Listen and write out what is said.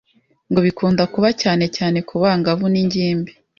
ngo bikunda kuba cyane cyane ku bangavu n’ingimbi